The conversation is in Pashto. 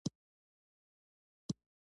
کارغه په خوله کې پنیر نیولی و او په ونه ناست و.